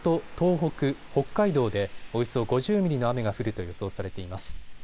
北海道でおよそ５０ミリの雨が降ると予想されています。